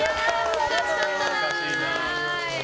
難しかったな。